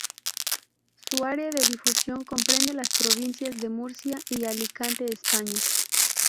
Su área de difusión comprende las provincias de Murcia y Alicante, España.